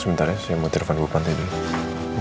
sebentar ya saya mau tirafan buku pantai dulu